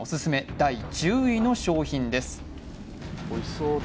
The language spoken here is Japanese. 第１０位の商品です